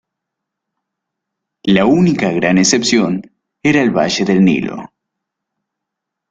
La única gran excepción era el Valle del Nilo.